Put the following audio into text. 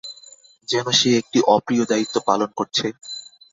যেন সে একটি অপ্রিয় দায়িত্ব পালন করছে।